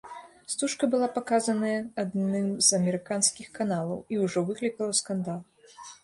Стужка была паказаная адным з амерыканскіх каналаў і ўжо выклікала скандал.